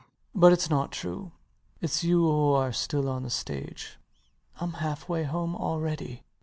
But it's not true. It's you who are still on the stage. I'm half way home already.